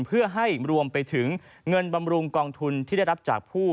เพื่อให้รวมไปถึงเงินบำรุงกองทุนที่ได้รับจากผู้